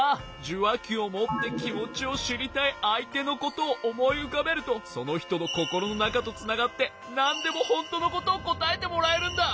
じゅわきをもってきもちをしりたいあいてのことをおもいうかべるとそのひとのココロのなかとつながってなんでもほんとのことをこたえてもらえるんだ。